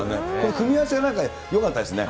組み合わせがよかったですね。